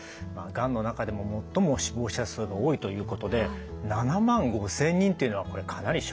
がんの中でも最も死亡者数が多いということで７万５，０００人というのはこれかなり衝撃的な数ですね。